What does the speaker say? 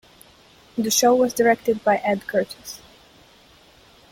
The show was directed by Ed Curtis.